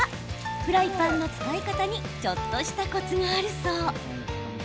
フライパンの使い方にちょっとしたコツがあるそう。